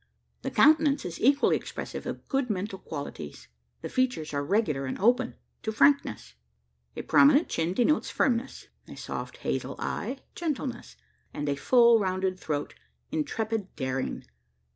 The countenance is equally expressive of good mental qualities. The features are regular and open, to frankness. A prominent chin denotes firmness; a soft hazel eye, gentleness; and a full rounded throat, intrepid daring.